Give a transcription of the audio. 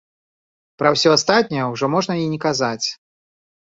Пра ўсё астатняе ўжо можна і не казаць.